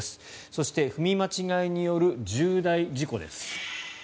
そして踏み間違いによる重大事故です。